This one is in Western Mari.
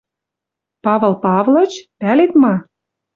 Павыл Павлыч? Пӓлет ма?